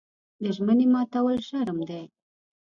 د ژمنې ماتول شرم دی.